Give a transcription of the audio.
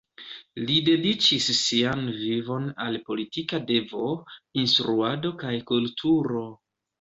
Li dediĉis sian vivon al politika devo, instruado kaj kulturo.